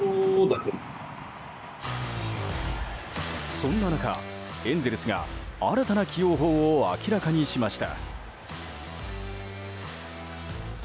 そんな中、エンゼルスが新たな起用法を明らかにしました。